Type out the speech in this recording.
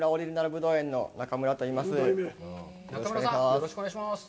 よろしくお願いします。